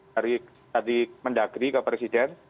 dari tadi mendagri ke presiden